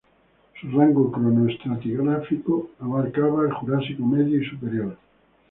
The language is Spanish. Su rango cronoestratigráfico abarcaba el Jurásico medio y superior.